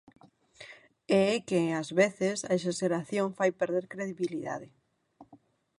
E é que, ás veces, a exaxeración fai perder credibilidade.